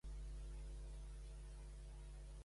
Hearthrug, prop del guardafoc.